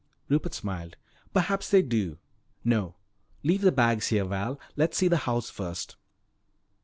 Rupert smiled. "Perhaps they do. No, leave the bags here, Val. Let's see the house first."